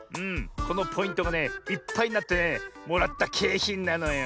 このポイントがねいっぱいになってねもらったけいひんなのよ。